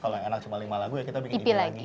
kalau yang enak cuma lima lagu ya kita bikin ide lagi